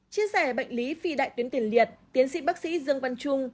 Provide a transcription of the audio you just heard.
chia sẻ bệnh lý phi đại tuyến tiền liệt tiến sĩ bác sĩ dương văn trung